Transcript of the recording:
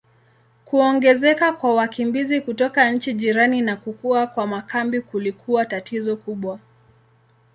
Kuongezeka kwa wakimbizi kutoka nchi jirani na kukua kwa makambi kulikuwa tatizo kubwa.